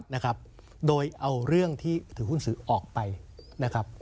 นะครับโดยเอาเรื่องที่ถือหุ้นสื่อออกไปนะครับ